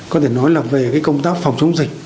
công tác phòng chống dịch